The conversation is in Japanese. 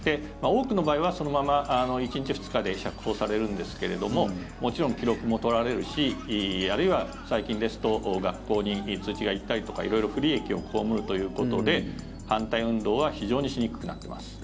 多くの場合はそのまま１日、２日で釈放されるんですけれどももちろん、記録も取られるしあるいは、最近ですと学校に通知が行ったりとか色々不利益を被るということで反対運動は非常にしにくくなっています。